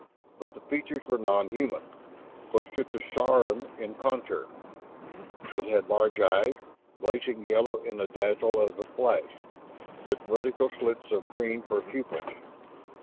But the features were nonhuman, closer to saurian in contour. It had large eyes, blazing yellow in the dazzle of the flash, with vertical slits of green for pupils.